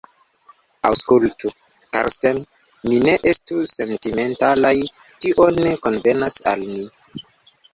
Aŭskultu, Karsten, ni ne estu sentimentalaj; tio ne konvenas al ni.